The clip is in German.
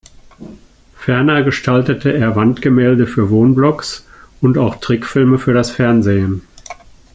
Ferner gestaltete er Wandgemälde für Wohnblocks und auch Trickfilme für das Fernsehen.